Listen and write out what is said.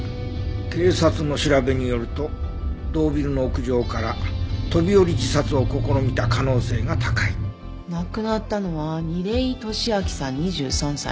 「警察の調べによると同ビルの屋上から飛び降り自殺を試みた可能性が高い」「亡くなったのは楡井敏秋さん２３歳」